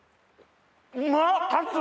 うまっ！